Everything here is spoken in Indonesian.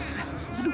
ya allah nek